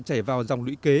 trải vào dòng lũy kế